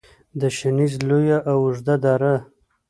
د شنیز لویه او اوږده دره